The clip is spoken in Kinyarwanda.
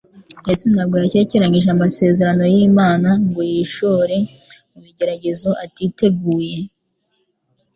Yesu ntabwo yakekeranije amasezerano y'Imana ngo yishore mu bigeragezo atiteguye